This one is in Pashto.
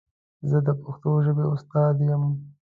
زه د پښتو ژبې استاد یم.